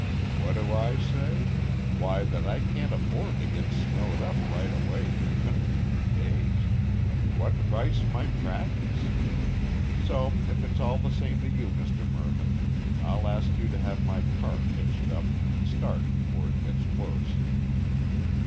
"What do I say? Why that I can't afford to get snowed up right away in the country for days. What price my practice? So if it's all the same to you, Mr Mervyn, I'll ask you to have my cart hitched up and start before it gets worse."